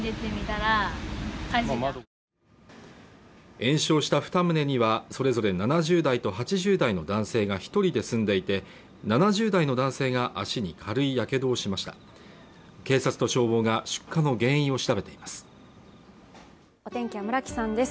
延焼した二棟にはそれぞれ７０代と８０代の男性が一人で住んでいて７０代の男性が足に軽いやけどをしました警察と消防が出火の原因を調べています